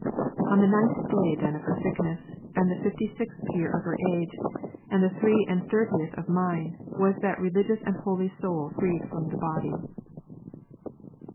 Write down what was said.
On the ninth day then of her sickness, and the fifty sixth year of her age, and the three and thirtieth of mine, was that religious and holy soul freed from the body.